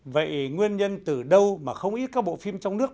vậy nguyên nhân từ đâu mà không ít các bộ phim trong nước